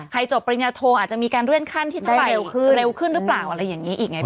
จบปริญญาโทอาจจะมีการเลื่อนขั้นที่เท่าไหร่เร็วขึ้นหรือเปล่าอะไรอย่างนี้อีกไง